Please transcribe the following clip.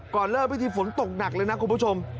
เริ่มพิธีฝนตกหนักเลยนะคุณผู้ชม